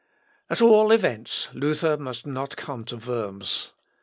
At all events, Luther must not come to Worms.